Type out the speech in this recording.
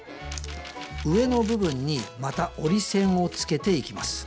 上の部分にまた折り線をつけていきます